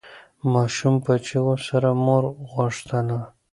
ماشوم په چیغو سره مور غوښتله.